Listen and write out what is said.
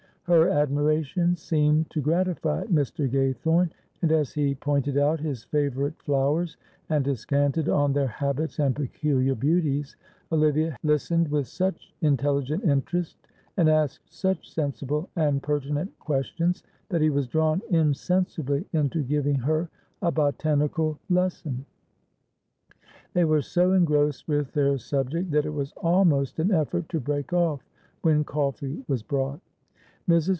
Her admiration seemed to gratify Mr. Gaythorne, and as he pointed out his favourite flowers, and descanted on their habits and peculiar beauties, Olivia listened with such intelligent interest, and asked such sensible and pertinent questions, that he was drawn insensibly into giving her a botanical lesson. They were so engrossed with their subject that it was almost an effort to break off when coffee was brought. Mrs.